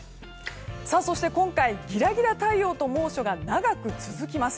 今回、ギラギラ太陽と猛暑が長く続きます。